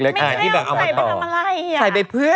ไม่ใช่ว่าใส่ไปทำอะไรใส่ไปเพื่อ